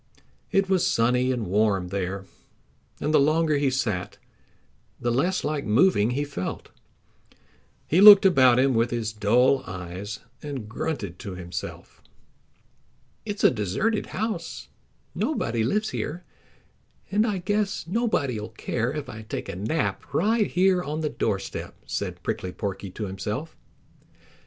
It was sunny and warm there, and the longer he sat the less like moving he felt. He looked about him with his dull eyes and grunted to himself. "It's a deserted house. Nobody lives here, and I guess nobody'll care if I take a nap right here on the doorstep," said Prickly Porky to himself.